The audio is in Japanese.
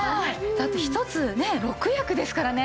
だって１つね６役ですからね。